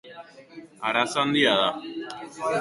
Arazo handia da.